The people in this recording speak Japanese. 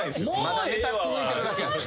まだネタ続いてるらしいです。